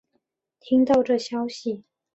听到这消息